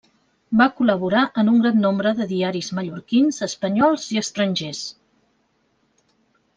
Va col·laborar en un gran nombre de diaris mallorquins, espanyols i estrangers.